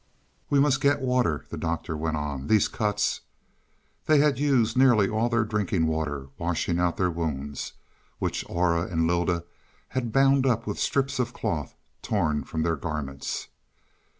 "We must get water," the Doctor went on. "These cuts " They had used nearly all their drinking water washing out their wounds, which Aura and Lylda had bound up with strips of cloth torn from their garments.